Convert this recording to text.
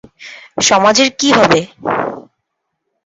সমাজের কী হবে?